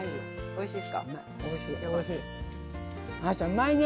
おいしい！